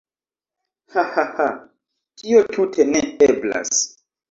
Hahaha. Tio tute ne eblas